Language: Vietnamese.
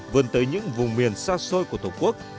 vươn tới những vùng miền xa xôi của tổ quốc